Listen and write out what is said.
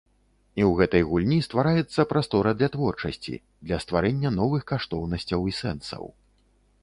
І ў гэтай гульні ствараецца прастора для творчасці, для стварэння новых каштоўнасцяў і сэнсаў.